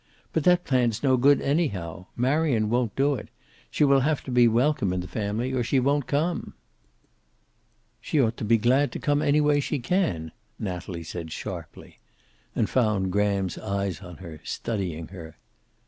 But that plan's no good, anyhow. Marion won't do it. She will have to be welcome in the family, or she won't come." "She ought to be glad to come any way she can," Natalie said sharply. And found Graham's eyes on her, studying her.